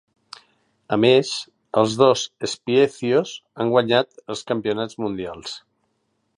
A més, els dos Spiezios han guanyat els Campionats Mundials.